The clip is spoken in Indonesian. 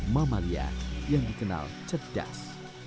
mamalia yang dikenal cedas